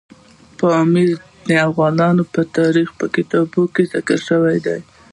پامیر د افغان تاریخ په کتابونو کې ذکر شوی دی.